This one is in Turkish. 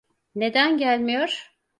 Neden gelmiyor?